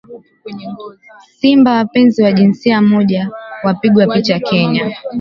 Simba wapenzi wa jinsia moja wapigwa picha Kenya